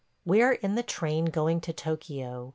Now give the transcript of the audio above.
... We are in the train going to Tokio.